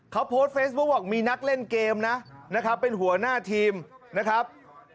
เขาโพสต์เฟซบุ๊คบอกมีนักเล่นเกมนะนะครับเป็นหัวหน้าทีมนะครับ